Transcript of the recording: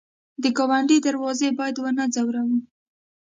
د ګاونډي دروازه باید ونه ځوروو